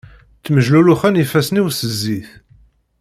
Ttmejluluxen ifassen-iw s zzit.